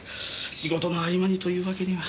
仕事の合間にというわけには。